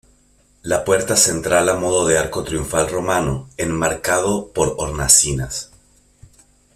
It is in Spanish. La puerta central a modo de arco triunfal romano, enmarcado por hornacinas.